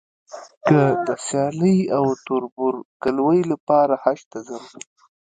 که د سیالۍ او تربورګلوۍ لپاره حج ته ځم.